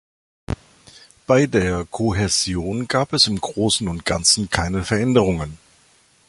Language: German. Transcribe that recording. Bei der Kohäsion gab es im Großen und Ganzen keine Veränderungen.